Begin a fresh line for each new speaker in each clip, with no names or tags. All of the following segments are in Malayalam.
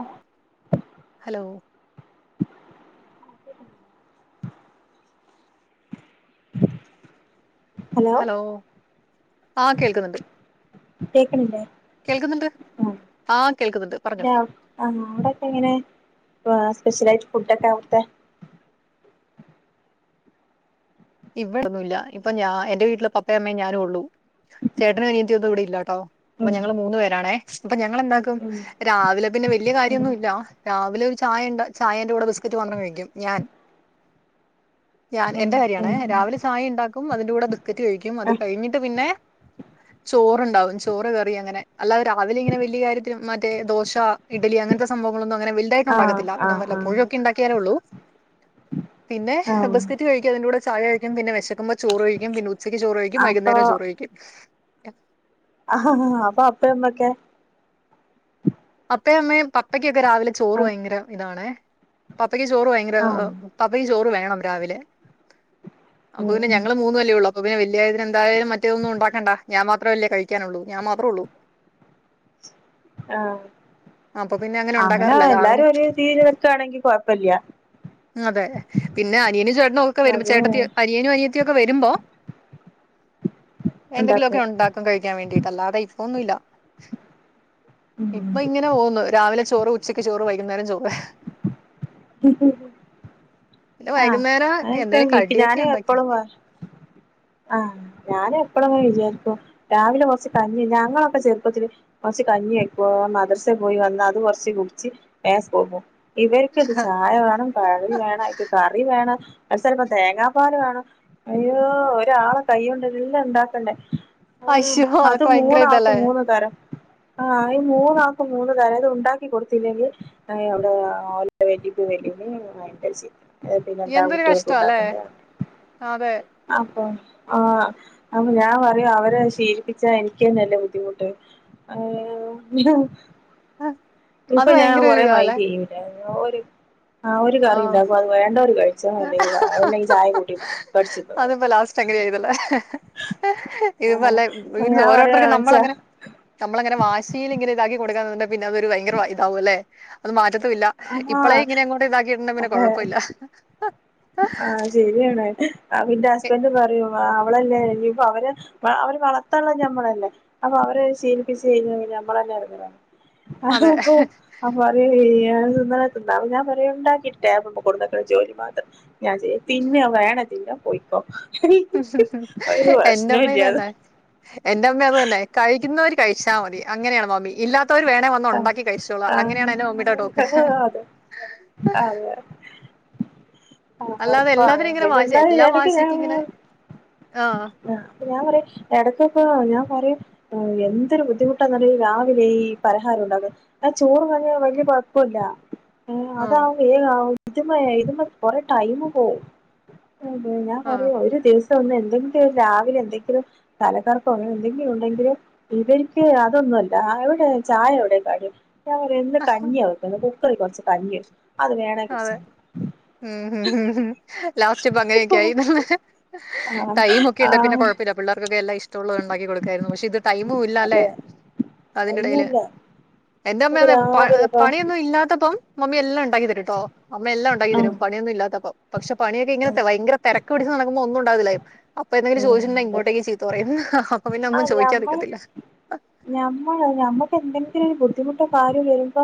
ആഹ് ഹലോ ഹലോ ആഹ് കേൾക്കുന്നുണ്ട്-
കേക്കണില്ലേ?
കേൾക്കുന്നുണ്ട്
ഉം
ആ കേൾക്കുന്നുണ്ട് പറഞ്ഞോ
ഇല്ലാ അവിടൊക്കെ എങ്ങനെ? ആ സ്പെഷ്യലായിട്ട് ഫുഡ് ഒക്കെ അവിടുത്തെ-
ഇവിടൊന്നും ഇല്ല ഇപ്പൊ ഞാൻ എന്റെ വീട്ടില് പപ്പേം അമ്മേം ഞാനും ഉള്ളൂ ചേട്ടനും അനിയത്തിയൊന്നും ഇവിടെ ഇല്ലാട്ടോ- അപ്പൊ
ഉം
ഞങ്ങള് മൂന്ന് പേരാണേ- ഇപ്പം ഞാൻ- ഞങ്ങള് എന്താക്കും
ഉം
രാവിലെ- പിന്നെ വലിയ കാര്യം
ഉം
ഒന്നുമില്ല രാവിലെ ഒരു ചായ ഉണ്ട് ചായേന്റെ കൂടെ ബിസ്കറ്റ് മാത്രം കഴിക്കും ഞാൻ ഞാൻ
ഉം
എന്റെ കാര്യാണ
ഉം
രാവിലെ ചായ ഉണ്ടാക്കും അതിന്റെ കൂടെ ബിക്കറ്റ് കഴിക്കും അത്
ആഹ്
കഴിഞ്ഞിട്ട് പിന്നെ ചോറ്‌ ഉണ്ടാവും ചോറ്‌ കറി അങ്ങനെ അല്ലാതെ രാവിലെ ഇങ്ങനെ വല്യ കാര്യത്തിൽ മറ്റേ ദോശ ഇഡലി അങ്ങനത്തെ സംഭവങ്ങൾ ഒന്നും- അങ്ങനെ വലുതായിട്ട് ഉണ്ടാക്കത്തില്ല
ആഹ്
പിന്നെ
ആഹ്
വല്ലപ്പോഴുമൊക്കെ ഉണ്ടാക്കിയാലേ ഉള്ളൂ- പിന്നെ
ആഹ്
ബിസ്ക്കറ്റ് കഴിക്കും അതിന്റെ കൂടെ- ചായ കഴിക്കും പിന്നെ വെശക്കുമ്പം ചോറ് കഴിക്കും പിന്നെ ഉ ഉച്ചയ്ക്ക് ചോറ് കഴിക്കും വൈകുന്നേരവും ചോറ് കഴിക്കും- എ [inaudible]
ആഹ് ആ അപ്പം അപ്പ അമ്മയൊക്കെ?
അപ്പേം അമ്മേം പപ്പക്- ക്ക് ഒക്കെ രാവിലെ ചോറ്
ആഹ്
ഭയങ്കര ഇതാണേ- പപ്പക്ക് ചോറ് ഭയങ്കര
ഉം
പപ്പക്ക് ചോറ് വേ പ്പം രാവിലെ അപ്പൊ പിന്നെ
ഉം
ഞങ്ങള് മൂന്നുവല്ലേ ഉള്ള് അപ്പം പിന്നെ വലിയ എന്തായാലും മറ്റേതൊന്നും ഉണ്ടാക്കണ്ട ഞാൻ മാത്രമല്ലേ കഴിക്കാനുള്ളൂ ഞാൻ മാത്രേ ഉള്ളൂ
ആഹ്
അപ്പൊ പിന്നെ അങ്ങനെ ഉണ്ടാക്കാറില്ല രാവിലെ
എല്ലാരും ഒരു രീതിൽ വെക്കാണെങ്കി കൊഴപ്പില്ല
അതെ പിന്നെ അനിയനും ചേട്ടനും ഒക്കെ വരുമ്പം
അത്
ചേട്ടത്തി അനിയനും അനിയ ത്തിക്കെ വരുമ്പോ എന്തെങ്കിലുമൊക്കെ ഉണ്ടാക്കും കഴിക്കാൻ വേണ്ടീട്ട് അല്ലാതെ ഇപ്പം ഒന്നുല്ല
ഉം
ഇപ്പം ഇങ്ങനെ പോന്നു രാവിലെ ച് ചോറ് ഉച്ചക്ക് ചോറ് വൈകുന്നേരം ചോറ് പിന്നെ
ആഹ്
വൈകുന്നേരം എന്തെങ്കിലും
[unintelligible]
കടിയൊക്കെ
ഞാനും
ഉണ്ടാക്കി
എപ്പഴും ആഹ്. ഞാൻ എപ്പളും വിചാരിക്കും രാവിലെ കൊറച്ച് കഞ്ഞി ഞങ്ങളൊക്കെ ചെറുപ്പത്തില് കെറ്ച്ച് കഞ്ഞി വെയ്ക്കും മദ്രസ് പോയി വന്ന് അത് കൊറച്ച് കുടിച്ച് വേ സ്കൂ കും ഇവർക്കിത് ചായ വേണം കടി വേണം വേണം അത് ചെലപ്പോ തേങ്ങാപ്പാല് വേണം അയ്യോ ഒരാള കൈയൊണ്ട് എല്ല ഇണ്ടാക്കണ്ടേ? ആഹ്
അയ്യോ
അത്
അതൊക്കെ ഭയങ്കര
മൂന്നാക്കും
ഇതല്ലേ
മൂന്ന് തരം. ആഹ് ഈ മൂന്നാക്കും മൂന്ന് തരം അത് ഉണ്ടാക്കി കൊടുത്തില്ലെങ്കിൽ അവിടെ ഓലെ വല്ലിപ്പയും വല്ലിമിം ഭയങ്കര ചീത്ത അത് പിന്നെന്താ
എന്തൊരു
കുട്ടികൾക്ക്
കഷ്ടം അല്ലേ
ഉണ്ടാക്കണ്ടെ പറഞ്ഞാണ്ട്
അതെ
അപ്പൊ ആഹ് അപ്പൊ ഞാൻ പറയും അവരെ അത് ശീലിപ്പിച്ചാ എനിക്കന്നല്ലേ ബുദ്ധിമുട്ട് അ യെഹ്
അത്
ഇപ്പ ഞാൻ
ഭയങ്കര ഒരു
കൊറേ
ഇതാല്ലേ
മൈന്റ് ചെയ്യൂല്ല ഓര് ആഹ് ഒരു
ആ
കറി ഉണ്ടാക്കും അത് വേണ്ടവരു കഴിച്ച മതി അല്ലെങ്കി ചായ കൂട്ടി കടിച്ചിന്നൊ പറിം.
ഇത്പ്പല്ല [unintelligible] ഓരോരുത്തർക്കും
പറയാച്ച
നമ്മളങ്ങനെ നമ്മളങ്ങനെ വാശീലിങ്ങനെ ഇതാക്കി കൊടുക്കാന്നുണ്ടെ പിന്നെ അതൊരു വയങ്കര വ ഇതാവൊലേ അത് മാറ്റ ത്തൂല്ല.
ആഹാ
ഇപ്പളേ ഇങ്ങനെ അങ്ങോട്ടിതാ ഇന്നാ പിന്നെ കൊഴപ്പല്ല.
ആഹ് ശരിയാണ്
എ-
ഇന്റസ്ബൻഡ് പറയും വാ അവളല്ലേ ഇനിപ്പൊ അവര് വ അവരെ വളർത്താള്ളെ ഞമ്മളല്ലേ അപ്പൊ അവരഅ് ശീലിപ്പിച്ച് കയിഞ്ഞാ പിന്നെ ഞമ്മളന്നെ എടങ്ങാറാവ. അഹ്
അതെ
അപ്പോ [unintelligible] [unintelligible] തിന്ന്ണെ തിന്നാതെ ഞാൻ പറയും ഇണ്ടാക്കീട്ട് ടേബ്ൾമെ കൊടുന്നക്ക്ണ ജോലി മാത്രം. ഞാൻ ചെയ്യ തിന്നാ വേണേ തിന്നോ പോയി ക്കോ
എന്റമ്മേം ഇത്
ഇല്ലാതെ
തന്നെ എന്റമ്മേം അത് തന്നെ കഴിക്ക്ന്നവര് കഴിച്ചാ മതി അങ്ങനെയാണ് മമ്മി ഇല്ലാ ത്തവര് വേണേ വന്ന്
ആഹ്
ഉണ്ടാക്കി കഴിച്ചോളാ അങ്ങനെയാണ് എന്റെ മമ്മീടെ ടോക്ക്.
ആഹ് അതെ ആ
അല്ലാതെ
അപ്പാണ്
എല്ലാത്തിനും ഇങ്ങനെ
പിന്നെ
വാശി
എന്തായാലും
എല്ലാ
എടക്ക് ഞാൻ
വാശിക്കും ഇങ്ങനെ ആഹ്
ആ അപ്പൊ ഞാൻ പറയും എടക്കൊക്ക ഞാ പറയും ഏഹ് എന്തൊരു ബുദ്ധിമുട്ടാന്നറിയോ ഈ രാവിലെ ഈ പലഹാരം ഉണ്ടാന്നെ ആ ചോറും കഞ്ഞിം വല്ലിയ കൊഴപ്പുല്ലാ ഏ
ആഹ്
അതാവും വേ ആവു ഇത്‌മ്മയെ ഇത്‌മ്മെ കൊറെ ടൈമ് പോവും അതെ ഞാൻ
ആഹ്
പറയുവാ ഒര് ദിവ് ട്ടുന്ന് എന്തെങ്കിലും രാവിലെ എന്തെങ്കിലും തലകറക്കോ അങ്ങനെ എന്തെങ്കിലും ഉണ്ടെങ്കിൽ ഇവര്ക്ക് അതൊന്നു അല്ല അവ്ടെ ചായ ഒയുടെ കടി ഒയു [unintelligible] ഇന്ന് കഞ്ഞിയാ വെക്കുന്നെ അപ്പ [unintelligible] കൊർച്ച് കഞ്ഞി അത് വേണേ
ആ അതെ
കുടിച്ചോ
ലാസ്റ്റ് ഇപ്പ അങ്ങനെ ഒക്കെയായിന്ന്
ആഹ്
ടൈമ് ഒക്കെ ഇണ്ട് പിന്നെ
ആഹ്
കൊഴപ്പയില്ല പിള്ളാർകൊക്കെക്കെ എല്ലാം ഇഷ്ടൊള്ളത് ഇണ്ടാക്കി കൊട്ക്കാര്ന്നു പക്ഷെ ഇത് ടൈമും ഇല്ല അല്ലെ
അതെ
അതിന്റെ ഇടയിൽ
കഴിഞ്ഞില്ല
എന്റെ അമ്മ
ഇപ്പൊ
അതെ പ
രാവിലെ ഇപ്പ
പണിയൊന്നും ഇല്ലാത്തപ്പം മമ്മി എല്ലാം ഇണ്ടാ‌ക്കി ട്ടോ അമ്മ എല്ലാം ഉണ്ടാക്കി
ആഹ്
തെരും പണിയൊന്നും ഇല്ലാത്തപ്പം പക്ഷെ പണിയൊക്കെ ഇങ്ങനെ
ആഹ്
തെ ഭയങ്കര തെരക്ക്പിടിച്ച സമയത്തൊന്നും ഒന്നും ഉ ണ്ടാക്കത്തില്ലെയ് അപ്പ എന്തെങ്കിലും
ഉം
ചോയിച്ചിണ്ടെങ്കി
അതെ
ഇങ്ങോട്ടെക്ക് ചീത്ത പറയും [unintelligible]
ആഹ് ഞമ്മള്
ചോദിക്കാതിക്കത്തില്ല
ഞമ്മള് ഞമ്മക്കെന്തെങ്കിലും ഒരു ബുദ്ധിമുട്ട് കാര്യം വരുമ്പോ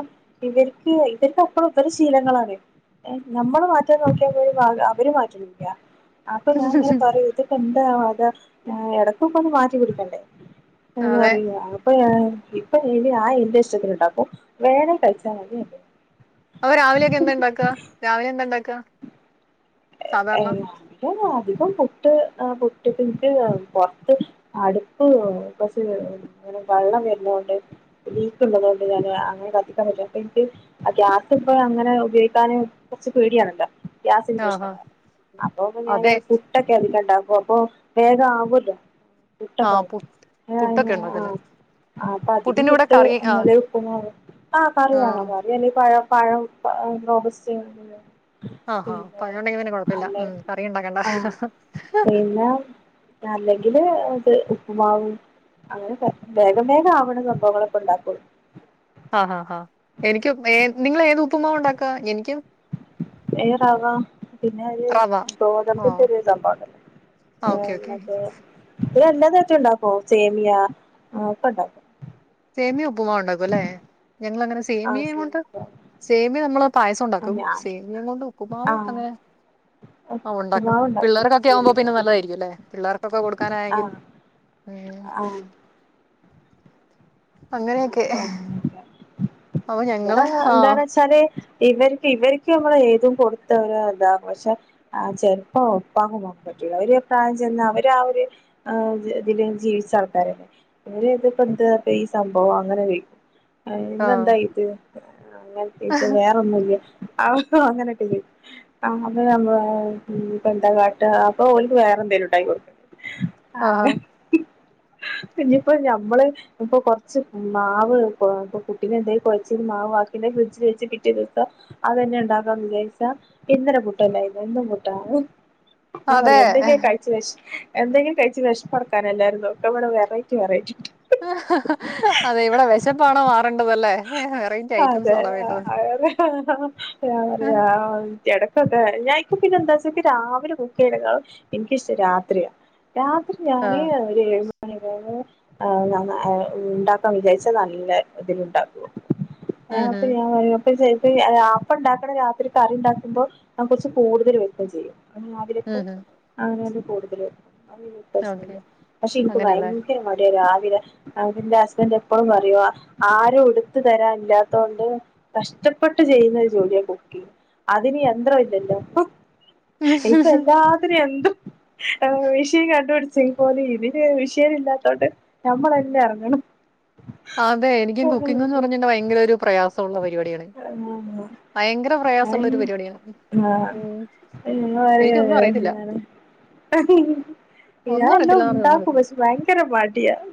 ഇവർക്ക് ഇവർക്ക് അപ്പളും ഇവരുടെ ശീലങ്ങളാണ് ഞമ്മള് മാറ്റാൻ നോക്കിയ അവര് മാറ്റണില്ല അപ്പൊ ഞാൻ ഇങ്ങനെ പറയൂ ഇതൊക്കെന്താ അതാ ആഹ് ഇടെക്കിപ്പോ വാ [unintelligible]
അതെ
അതറിയ അപ്പ ഇപ്പൊ എനി ഞാൻ എന്റിഷ്ടത്തിനിണ്ടാക്കും വേണെ കഴിച്ചാമതി
അപ്പൊ രാവിലെയൊക്കെ എന്ത്‌ണ്ടാക്ക രാവിലെ എന്തു ഇണ്ടാക്കാ
അധിക അധികം പുട്ട് ആഹ് മുറ്റത്തെനിക്ക് പൊറത്ത് അടുപ്പ് കുറച്ച് വെള്ളം വരുന്നൊണ്ട് ലീക്ക് ഉള്ളതൊണ്ട് ഞാന് അങ്ങനെ കത്തിക്കാൻ പറ്റും അപ്പെനിക്ക് ഗ്യാസിപ്പ അങ്ങനെ ഉപയോഗിക്കാന് കൊറച്ച് പേടിയാണല്ലോ യാസിൻ
ആഹാ
കൃഷ്ണമാർ അപ്പപ്പൊ ഞാന്
അതെ
പുട്ടൊക്കെ ഉണ്ടാക്ക അപ്പൊ വേഗം ആവൂല്ലോ
ആ പു
പുട്ടൊക്കാവട്ടെ ആഹ്
പുട്ടൊക്കെ ഉണ്ടാക്കല്ലേ
ആഹ് അപ്പൊ അധികം
പുട്ടിന്റെ കൂടെ
പുട്ട്
കറി ആ
അങ്ങനെ വെക്കുന്ന ആഹ് കറി
ആ
കാണും കറി അല്ലെ പഴം പഴം റോബസ്റ്റ ആണ്
ആഹാ പഴൊണ്ടെങ്കി പിന്നെ കൊഴ പ്പ്ല്ല മ്മ് കറിണ്ടാക്കണ്ട
തല്ലെങ്കില് ഇത് ഉപ്പുമാവും അങ്ങനെ വേഗം വേഗം ആവണ സംഭവങ്ങളൊക്കെ ഉണ്ടാക്കുള്ളൂ
നിങ്ങള് ഏത് ഉപ്പ്മാ ഉണ്ടാക്കാ എനിക്കും
ഏറവ പിന്നെ ഒരു
ഓ
ഗോതമ്പിന്റൊരു സംഭോണ്ടല്ലോ
ആ
ഏ
ഓക്കെ ഓക്കെ
മറ്റേ ഇതിൽ എല്ലാതായിട്ടുണ്ടാക്കോ സേമിയആ ഒക്കെണ്ടാക്കും
സേമിയ ഉപ് ഉപ്പുമാവൊണ്ടാക്കും അല്ലെ ഞങ്ങളങ്ങനെ
ആഹ്
സേമിയെം കൊണ്ട്
സേമിയ ഒക്കെ
സേമിയ നമ്മള് പായസം
ആഹ്
ഒണ്ടാക്കും
ഞാൻ
സേമിയേം കൊണ്ട് ഉപ്പുമാവ്
ആഹ്
അങ്ങനെ ആ ഒണ്ടാക്കും
ഉപ്പുമാവ് ഉണ്ടാക്കും
പിള്ളേർക്കൊക്കെ ആവുമ്പോ
സേമിയ
പിന്നെ നല്ലതായിരിക്കും അല്ലെ പിള്ളേർക്കൊക്കെ കൊടുക്കാനായെങ്കിൽ
ആഹ്
ഉം
ആ
അങ്ങനെയൊക്കെ
അപ്പം
അപ്പൊ
ഇത്
ഞങ്ങള് ആ
എന്താന്ന് വെച്ചാല് ഇവർക്ക് ഇവര് നമ്മള് ഏതും കൊടുത്താ ഇതാകും പക്ഷെആ ചെലപ്പോ ഉപ്പാക്കും ഉമ്മാക്കും പറ്റൂല്ല അവര് പ്രായം ചെന്ന് അവര് ആ ഒരു ഇതില് ആ ജീവിച്ച ആൾക്കാരല്ലെ ഇവര് ഇതിപ്പോ എന്താ ടേസ് തംഭവം അങ്ങനെ വെയ് അയ്
ആ
ഇന്നെന്തായിത് ആ അങ്ങൻത്തേയിട്ട് വേറൊന്നുല്ലേ അവസ്ഥ അങ്ങനെ ടിലീം [unintelligible] ഇനിപ്പോ എന്താ കാട്ടാ അപ്പൊ ഓലിക്ക് വേറെ എന്തേലും ണ്ടാക്കി കൊടുക്കും
ആഹാ
അതെ പിന്നിപ്പോ ഞമ്മള് ഇപ്പൊ കൊറ മാവ് ഇപ്പ ഇപ്പൊ പുട്ടിന് എന്തെലും കൊഴച്ച് മാവ് ബാക്കിയുള്ളെ ഫ്രിഡ്ജില് വെച്ച് പിറ്റേ ദിവസം അത് തന്നെ ഉണ്ടാക്കാന്ന് വിചാരിച്ചാ ഇന്നലെ പുട്ടല്ലായിരുന്നൊ ഇന്നുംപുട്ടാണോ ഞാൻ
അതെ
പറയും എന്തെങ്കിലും കഴിച്ച് വെശപ് എന്തെങ്കിലും കഴിച്ച് വെശപ്പടക്കാനാ എല്ലാരും നോക്കാ ഇവിടെ വെറൈറ്റി വെറൈറ്റി
അതെ ഇവിടെ വെശപ്പാണോ മാറേണ്ടത്
അതെ ആ ആ ആ അതെ ആ എട അതെ ഞാൻ ഇപ്പൊ പിന്നെ എന്താച്ചാ എനിക്ക് രാവിലെ കുക്കു ചെയ്യുന്നേനെക്കാളും എനിക്കിഷ്ടം രാത്രിയാ രാത്രി ഞാനേ
ആഹ്
ഒരു ഏഴ് [unintelligible] ആ ഞാന് ആ ഉണ്ടാക്കാൻ വിചാരിച്ചാ നല്ല ബുദ്ധിമുട്ടാ ആ
ഉം
അപ്പൊ
ഉം
ഞാൻ പറയും [unintelligible] അപ്പൊ ഒണ്ടാക്കണ രാത്രി കറി ഉണ്ടാക്കുമ്പോ ഞാൻ കൊറച്ച് കൂടുതല് വെക്കുവെം ചെയ്യും അ രാവിലെപ്പോ
ഉം ഉം
അങ്ങനെ കൂടുതല് അതൊന്നും
ഓക്കെ
പ്രശ്നല്ല പക്ഷെ ഇപ്പൊ
അങ്ങനെയല്ലേ
ഭയങ്കരമായിട്ട് [unintelligible] [unintelligible] പിന്നെ എന്റെ ഹസ്ബൻഡ് എപ്പളും പറയുവാ ആരോടു [unintelligible] ത്തു തരാഇല്ലാത്തോണ്ട് കഷ്ടപ്പെട്ട് ചെയ്യുന്ന ഒരു ജോലിയാ കുക്കിങ് അതിന് യന്ത്രം ഇല്ലല്ലോ
ഉം ഹും
ഇപ്പൊ
ഹും.
എല്ലാത്തിനും യന്ത്ര ആ മിഷീൻ കണ്ടുപിടിച്ച പോലെ ഇതിന് മിഷീൻ ഇല്ലാത്തോണ്ട് നമ്മള് തന്നെ എറങ്ങണം-
അതെ എനിക്കും കുക്കിംങെന്ന് പറഞ്ഞിട്ട ഭയ് ഭയങ്കര ഒരു- പ്രയാസമുള്ള പരിപാടിയാണ്
ആ ആ
ഭയങ്കര പ്രയാസമുള്ള ഒരു പരിപാടിയാണ്
[unintelligible]
ഉം
എന്താണ്
എനിക്കൊന്നും അറിയത്തില്ല
ഞാൻ
ഒന്നും
എല്ലാം
അറിയത്തില്ലന്ന് പറഞ്ഞ ഒന്നും
ഉണ്ടാക്കും
അറിയത്തില്ല
പക്ഷെ ഭയങ്കര മടിയാ-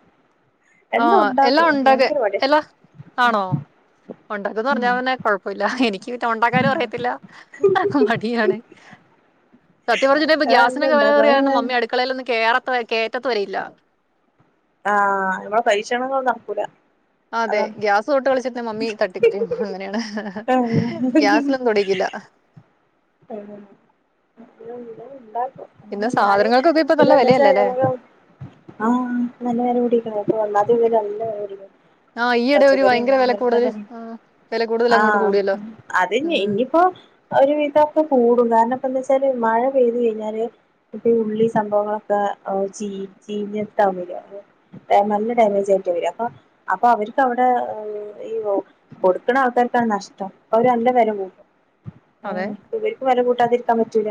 എല്ലാം ഉണ്ടാ
എല്ലാ ഒണ്ടാക്കുവേ എല്ലാം ആണോ ഒണ്ടാക്കൂന്ന് പറഞ്ഞാതന്നെ കൊഴപ്പവില്ല എനിക്ക് എനിക്കിട്ട് ഉണ്ടാക്കാനും അറിയത്തില്ല ആ മടിയാണ് സത്യം പറഞ്ഞിട്ടപ്പ
ആ എല്ലാം
ഗ്യാസിനക്കെ വെല
ഉണ്ടാക്കും അത്
കേറിയാരണം
ഞാൻ
മമ്മി അടുക്കളേലൊന്നും കേറ കേറ്റത്തു വരെ ഇല്ല
ആഹ നമ്മടെ പരിക്ഷണങ്ങള് നടക്കൂല
അതെ
അതാണ്
ഗ്യാസ് തൊട്ട് കളിച്ചിട്ട മമ്മി തട്ടിക്കളിയും അങ്ങനെയാണ് ഗ്യാസിലൊന്നും തൊടിക്കില്ല
[unintelligible]
പിന്നെ
ഞാന്
സാധനങ്ങൾക്കൊക്കെ ഇപ്പൊ
പിന്നെ
നല്ല
എന്ത്‌ വെച്ചാൽ
വെലയല്ലേല്ലേ?
[unintelligible]
ആഹ് ഈയിടെ ഒരു
പച്ചക്കറി
ഭയങ്കര
ആണെങ്കിലും
വെല കൂടുതല്
ല്ലാംതന്നെ
ആഹ് വെല കൂടുതൽ
ആ
അങ്ങോട്ട് കൂടിയല്ലോ.
അത്
ഉം.
ഇനിയിപ്പോ ഒരുവിധം പ്പ ഉദാഹരണംന്ന് വെച്ചാല് മഴ പെയ്തു കഴിഞ്ഞാല് ഇപ്പൊ ഈ ഉള്ളി സംഭവങ്ങളൊക്കെ ചീ ചീഞ്ഞ്ട്ടാ വര്യ നല്ല ഡാമേജായിട്ട വര്യ അപ്പൊ അപ്പ അവർക്ക് അവിടെ ഈ കൊടുക്കണ ആൾക്കാർക്കാ നഷ്ടം അവര് നല്ല വെല കൂട്ടും
അതെ
വെല കൂട്ടാതിരിക്കാൻ പറ്റൂല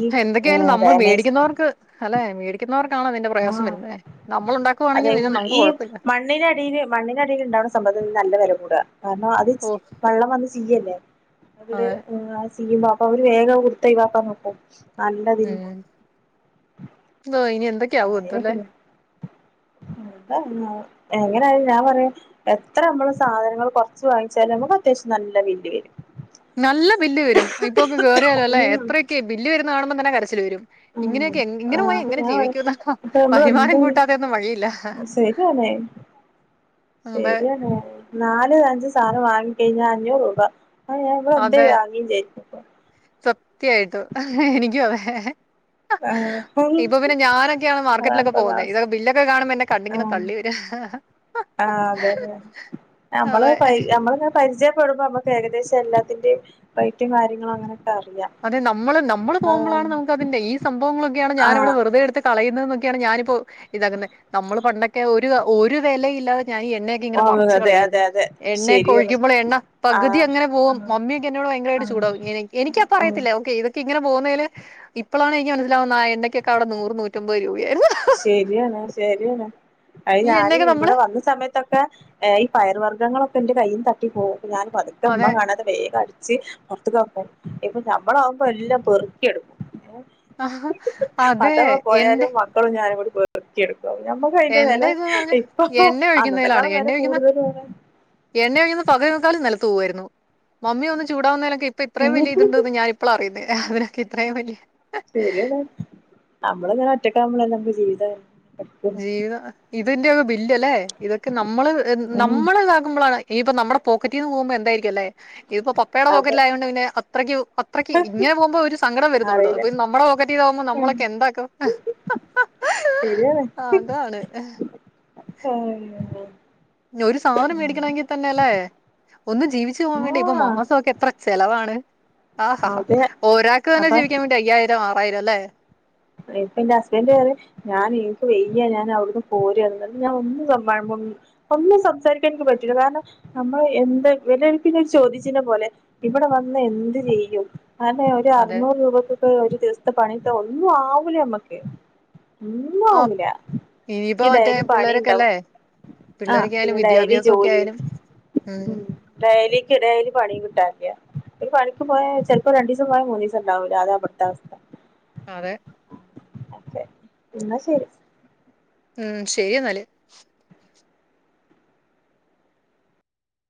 ഈ
എന്തൊക്കെയായാലും നമ്മള്
ഡാമേജ്
മേടിക്കുന്നോർക്ക് അല്ലെ മേടിക്കുന്നോർക്ക്
ആഹ് അതെ
പിന്നെ
ഉൾ
നമുക്ക്
ഈ
കൊഴപ്പല്ല.
മണ്ണിനടിയില് മണ്ണിനടിൽ ഇണ്ടാവുന്ന സമ്പത്ത്ന്ന് നല്ല വില കൂടുക കാരണം അത് ച്
ഓഹ്
വെള്ളം വന്ന് ചീയ്യല്ലേ അവിടെ
അതെ.
ചീയ്മ്പ അപ്പൊ അവര് വേഗ കൊടുത്തൊയിവാക്കാൻ നോക്കും നല്ലതിന്
ഉം എന്തൊയ് നിന്തെ ക്കാവത്തുല്ലേ
എങ്ങനെയാലും ഞാൻ പറയാ എത്ര മ്മള് സാധനങ്ങൾ കൊറച്ച് വാങ്ങിച്ചാലും നമുക്ക് അത്യാവശ്യം നല്ല ബില്ല് വരും
നല്ല ബില്ല് വരും ഇപ്പൊക്കെ കേറിയാലല്ലേ
ഉം
എത്രയൊക്കെ ബില്ല് വരുന്ന കാണുമ്പോ തന്നെ കരച്ചില് വരും
ഉം
ഇങ്ങനെയൊക്കെ ഇങ്ങനെ
ആഹ്
പോയാ
അപ്പൊ
എങ്ങനെ
ഞാൻ പറയാ
ജീവിക്കുന്ന വരുമാനം കൂട്ടാതെ ഒന്നും വഴിയില്ല
ശരിയാന്നേ
അതെ
ശരിയാന്നെ നാല് അഞ്ച് സാധനായി കഴിഞ്ഞ അഞ്ഞൂറ് രൂപ അഹ് ഞാ വെർതെ വാങ്ങി ചെയ്തു
സത്യായിട്ടു എനിക്കുഅവെ
ആഹ്
ഇപ്പൊ പിന്നെ ഞാനൊക്കെയാണ് മാർക്കറ്റിലൊക്കെ
അതാണിപ്പത്തെ
പോവുന്നെ.
അവസ്ഥ
ഇതൊക്കെ ബില്ലൊക്കെ കാണുമ്പോ എന്നെ കണ്ണിങ്ങനെ തള്ളി വര്അ
ആ അതെതെ ഞമ്മൾ
അതെ
ഞമ്മൾ ഇങ്ങനെ പരിചയ പെടുമ്പോ അമ്മക്ക് ഏകദേശം എല്ലാത്തിന്റെയും റൈറ്റും കാര്യങ്ങളും അങ്ങനെ
അതെ നമ്മൾ നമ്മളൾ പോവുമ്പളാണ് നമുക്ക് അതിന്റെ ഈ സംഭവങ്ങളൊക്കെയാണ് ഞാനവിടെ
ആഹ്
വെറുതെ എടുത്ത് കളയു ന്നത് ഒക്കെയാണ് ഞാനിപ്പോ ഇതങ്ങനെ നമ്മൾ പണ്ടൊക്കെ ഒ രു ഒര് വെലെയില്ലാതെ ഞാനി എണ്ണയൊക്കെ
ഓ
ഇങ്ങനെ മറച്ച്
അതെ അതെ
കളയായിരുന്നു
അതെ
എണ്ണയൊക്കെ
ശരിയാണ്
ഒഴിക്കുമ്പളെ എണ്ണ പകുതി
ആഹ്
അങ്ങനെ പോവും
ആഹ്
മമ്മിയൊക്കെ എന്നോട് ഭയരമായിട്ട്
ആഹ്
ചൂടാവും എനി എനിക്ക
ഓ
അറിയത്തില്ല ഒക്കെ ഇത് ത്ത് ഇങ്ങനെ പോവുന്നെയിൽ ഇപ്പളാണ് എനിക്ക് മനസ്സിലാവുന്നെ ആ എണ്ണക്കൊക്കെ അവിടെ നൂറ് നൂറ്റമ്പത് രൂപയായിരുന്നു
ശരിയാണ് ശരിയാണ് അയ്
ഈ
ഞാൻ
എണ്ണയൊക്കെ
ഇബടെ
നമ്മള്
വന്ന സമയത്തൊക്കെ ഏ ഈ പയർ വർഗ ഗങ്ങളൊക്കെ ഇന്റെ കയ്യിന്ന് തട്ടി പോവും ഞാൻ പതുക്കെ ഇമ്മ
അതെ
കാണാതെ വേഗം അടിച്ച് പൊർത്ത്ക്കാക്കും ഇപ്പ നമ്മളാവുമ്പോ എല്ലാം പെറുക്കിയെടുക്കും
ആ അതെ എന്റെ
ഞാനങ്ങോട്ട് പെറുക്കി എട്ക്കും
എന്റെ ഇത് ന്ന് പറഞ്ഞാ എണ്ണ ഒഴിക്കുന്നതിലാണ്
അന്നത്തെക്കാളും
എണ്ണ
വില
ഒഴിക്കുന്ന
കൂടുതലും
എണ്ണ ഒഴിക്കുന്ന പകുതി മുക്കാലും നെല ത്ത് പോവാരുന്നു മമ്മി ഒന്ന് ചൂടാവുന്ന ഇപ്പ ഇത്രയും
ഉം
വല്ലിയ ഇത് ഇണ്ട്ന്ന് ഞാനിപ്പളാ അറിയുന്നെ അവരൊക്കെ ഇത്രേം വലിയ
ശരിയാണ് നമ്മൾ ഇങ്ങനെ ഒറ്റക്കാവുമ്പളല്ലെ നമ്മൾ ജീവിത
ജീവിതം [unintelligible] [unintelligible] ഇല്ല ലെ ഇതൊക്കെ നമ്മൾ നമ്മൾ ഇതകുമ്പളാണ് ഇനിയിപ്പം നമ്മുടെ പോക്കറ്റിന്ന് പോവുമ്പോ എന്തായിരിക്കും ക്കും ലെ ഇതിപ്പോ പപ്പയുടെ
അതെ
പോക്കറ്റിലായോണ്ട് പിന്നെ അത്രക്ക് അത്രയ്ക്ക് ഇങ്ങനെ പോവുമ്പോ ഒരു സങ്കടം വരുന്നൊള്ളു
അറിയില്ല
അപ്പൊനി നമ്മടെ പൊക്കറ്റീന്നാവുമ്പോ നമ്മളൊക്കെ എന്താക്കും
ശരിയാണ്
അതാണ്
എന്ത്
ഒരു സാധനം മേടിക്കണമെങ്കി തന്നെ ലെ ഒന്ന് ജീവിച്ച് പോവാൻ വേണ്ടി ഇപ്പൊ
ആഹ്
മാസം ഒക്കെ എത്ര ചെലവാണ് ആഹഹ
അതെ
ഒരാൾക്ക് തന്നെ
അപ്പൊ
ജീവിക്കാൻ വേണ്ടി അയ്യായിരം ആ [unintelligible] ലെ
ഇപ്പൊ എന്റെ ഹസ്ബൻഡ് അതെ ഞാൻ എനിക്ക് വെയ്യ ഞാൻ അവിടുന്ന് പോര എന്നത് ഞാൻ ഒന്നും ഒന്നും സംസാരിക്കാ എനിക്ക് പറ്റില്ല കാരണം നമ്മള് എന്താ വല്ലൊക്കന്നെ ചോദ്യ ചിഹ്നം പോലെ ഇവിടെ വന്ന് എന്ത് ചെയ്യും അതെ ഒരു
അതെ
അറുന്നൂറ് രൂപ ഓ ഒരു ദിവസത്തെ പണി ഒക്കെ ഒന്നും ആവൂല മ്മക്ക് ഒന്നും
ആ
ആവുല്ല
ഇനിയിപ്പോ മറ്റേ
ഡെയിലി പണി
പിള്ളേരൊക്കെ
ഉണ്ടാവും
അല്ലേ
ആഹ
പിള്ളേരൊക്കെ
പിന്നെ
ആയാലും
ഡെയിലി
വിദ്യാഭ്യാസം ഒക്കെ
ജോലി
ആയാലും ഉം
ഡെയിലിക്ക് ഡെയിലി പണി കിട്ടാനില്ല ഒരു പണിക്ക് പോയാ ചെിലപ്പോ രണ്ടുിവസം പോയാ മൂന്നു ദിവസം ഉണ്ടാവുല്ലാ അതാ ഇപ്പോഴത്തെ അവസ്ഥ
അതെ
അതെ എന്നാ ശരി
ഉം ശരി എന്നാല്